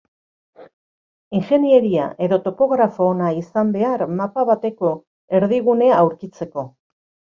Ingeniaria edo topografo ona izan behar mapa bateko erdigunea aurkitzeko.